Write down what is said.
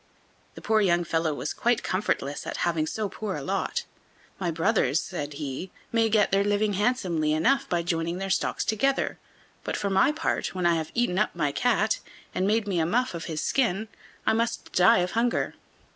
The poor young fellow was quite comfortless at having so poor a lot. "My brothers," said he, "may get their living handsomely enough by joining their stocks together; but for my part, when I have eaten up my cat, and made me a muff of his skin, I must die of hunger."